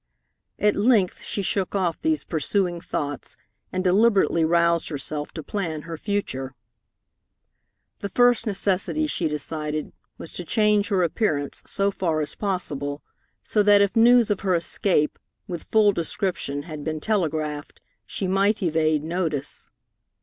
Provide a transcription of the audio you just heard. At length she shook off these pursuing thoughts and deliberately roused herself to plan her future. The first necessity, she decided, was to change her appearance so far as possible, so that if news of her escape, with full description, had been telegraphed, she might evade notice.